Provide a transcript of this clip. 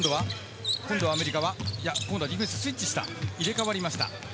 今度はアメリカはディフェンススイッチした、入れ替わりました。